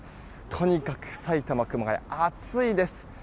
とにかく埼玉・熊谷暑いです。